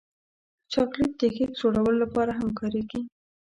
چاکلېټ د کیک جوړولو لپاره هم کارېږي.